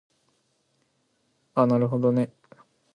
あなるほどね